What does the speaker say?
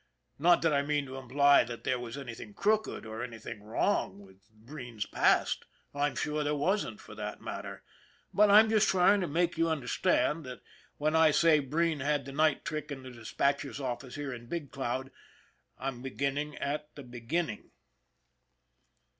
Not that I mean to imply that there was anything crooked or anything wrong with Breen's past, I'm sure there wasn't for that matter, but I'm just trying to make you understand that when I say Breen had the night trick in the dispatcher's office here in Big Cloud, I'm beginning at the beginning.